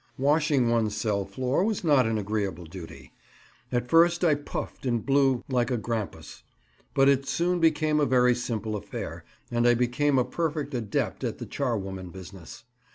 Washing one's cell floor was not an agreeable duty. At first I puffed and blew like a grampus, but it soon became a very simple affair, and I became a perfect adept at the charwoman business.